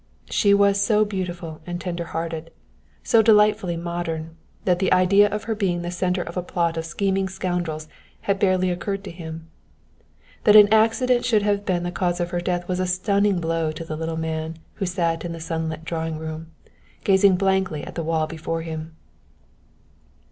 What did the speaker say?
She was so beautiful and tender hearted, so delightfully modern, that the idea of her being the centre of a plot of scheming scoundrels had barely occurred to him. That an accident should have been the cause of her death was a stunning blow to the little man who sat in the sunlit drawing room, gazing blankly at the wall before him.